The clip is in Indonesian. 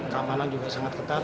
keamanan juga sangat ketat